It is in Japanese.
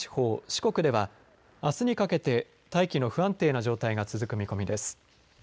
四国では、あすにかけて大気の不安定な状態が続く見込みです。